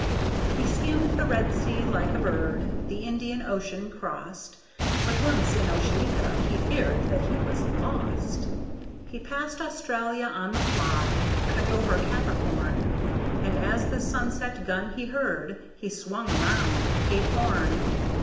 He skimmed the Red Sea like a bird, the Indian Ocean crossed (But once, in Oceanica, he feared that he was lost). He passed Australia on the fly, cut over Capricorn, And as the sunset gun he heard, he swung around Cape Horn.